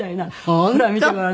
「ほら見てごらんなさい」。